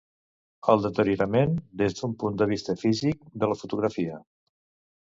El deteriorament, des d'un punt de vista físic, de la fotografia.